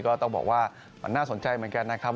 ก็ต้องบอกว่ามันน่าสนใจเหมือนกันนะครับ